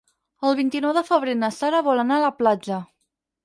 El vint-i-nou de febrer na Sara vol anar a la platja.